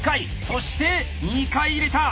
そして２回入れた！